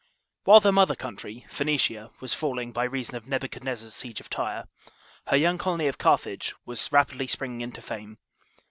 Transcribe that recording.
WHILE the mother country, Phoenicia, was falliiVg, by reason of Nebuchadnezzar's siege of Tyre, her young colony* of Carthage, was rapidly springing into fame.